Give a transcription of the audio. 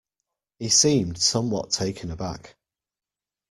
He seemed somewhat taken aback.